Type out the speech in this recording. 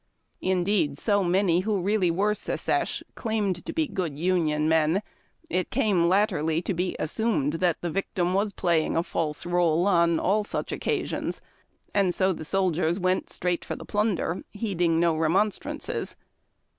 Indeed, so many who really were " secesh " claimed to be good Union men, it came latterly to be assumed that the victim was playing a false role on all such occasions, and so the soldiers went straight for the plunder, heeding no remonstrances.